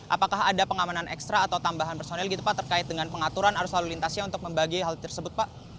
apakah ada pengamanan ekstra atau tambahan personil gitu pak terkait dengan pengaturan arus lalu lintasnya untuk membagi hal tersebut pak